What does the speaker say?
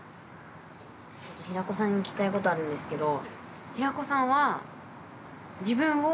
◆平子さんに聞きたいことあるんですけど。